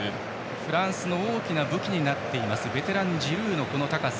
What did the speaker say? フランスの大きな武器になっているベテラン、ジルーのこの高さ。